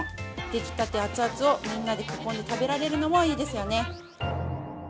できたて熱々を、みんなで囲んで食べられるのもいいですよね。